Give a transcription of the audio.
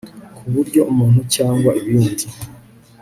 ku buryo umuntu cyangwa ibindi